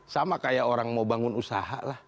sama kayak orang mau bangun usaha lah